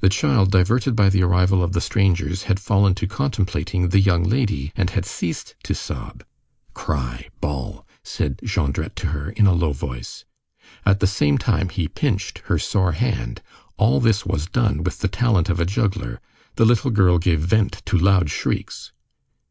The child, diverted by the arrival of the strangers, had fallen to contemplating "the young lady," and had ceased to sob. "Cry! bawl!" said Jondrette to her in a low voice. At the same time he pinched her sore hand. All this was done with the talent of a juggler. The little girl gave vent to loud shrieks.